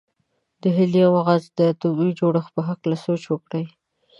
د هیلیم غاز د اتومي جوړښت په هکله سوچ وکړئ.